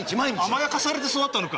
甘やかされて育ったのか？